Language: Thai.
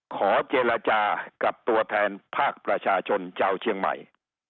ขอเจรจากับตัวแทนภาคประชาชนชาวเชียงใหม่